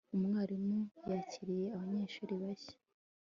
Umwarimu yakiriye abanyeshuri bashya